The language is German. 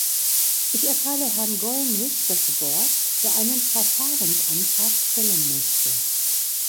Ich erteile Herrn Gollnisch das Wort, der einen Verfahrensantrag stellen möchte.